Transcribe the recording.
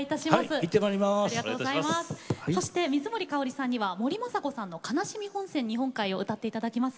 水森かおりさんには森昌子さんの「哀しみ本線日本海」を歌っていただきます。